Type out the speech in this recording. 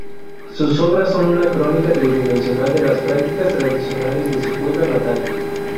Sus obras son una crónica tridimensional de las prácticas tradicionales de su Puebla natal.